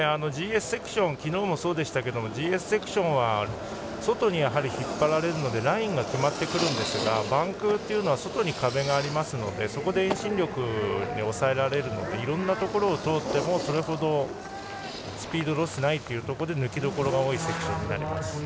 昨日もそうでしたがＧＳセクションは外に引っ張られるのでラインが決まってくるんですがバンクというのは外に壁がありますのでそこで遠心力に押さえられるのでいろんなところを通ってもそれほどスピードのロスがないというところで抜きどころが多いセクションになります。